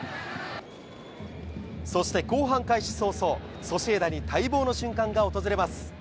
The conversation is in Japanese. そして後半開始早々、ソシエダに待望の瞬間が訪れます。